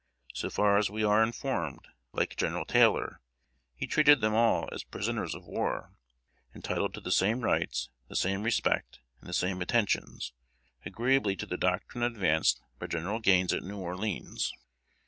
So far as we are informed, like General Taylor, he treated them all as prisoners of war, entitled to the same rights, the same respect, and the same attentions, agreeably to the doctrine advanced by General Gaines at New Orleans.